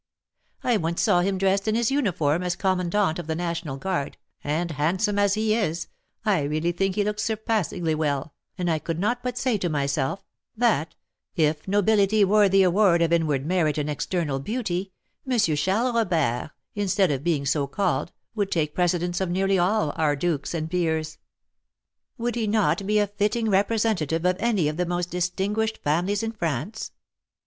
I once saw him dressed in his uniform as commandant of the national guard, and, handsome as he is, I really think he looked surpassingly well, and I could but say to myself, that, if nobility were the award of inward merit and external beauty, M. Charles Robert, instead of being so called, would take precedence of nearly all our dukes and peers. Would he not be a fitting representative of any of the most distinguished families in France?"